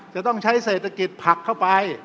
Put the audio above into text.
จะต้องใช้เศรษฐกิจผักเข้าไป